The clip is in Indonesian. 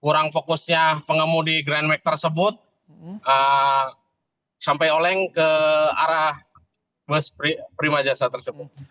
kurang fokusnya pengemudi grandmack tersebut sampai oleng ke arah bus prima jasa tersebut